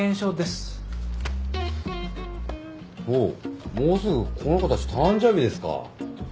ほうもうすぐこの子たち誕生日ですか。